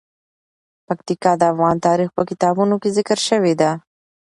پکتیکا د افغان تاریخ په کتابونو کې ذکر شوی دي.